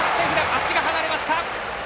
足が離れました！